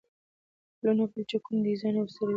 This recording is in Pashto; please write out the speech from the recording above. د پلونو او پلچکونو ډيزاين او سروې